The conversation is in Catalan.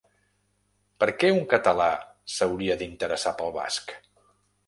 Per què un català s’hauria d’interessar pel basc?